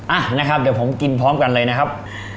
อ่ะนะครับเดี๋ยวผมกินพร้อมกันเลยนะครับ